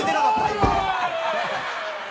今」